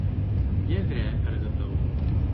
Йәҙрә ырғытыу